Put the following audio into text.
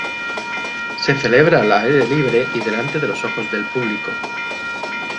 Se celebra al aire libre y delante de los ojos del público.